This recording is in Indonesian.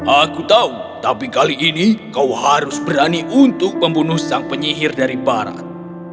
aku tahu tapi kali ini kau harus berani untuk membunuh sang penyihir dari barat